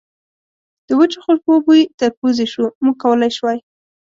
د وچو خوشبو بوی تر پوزې شو، موږ کولای شوای.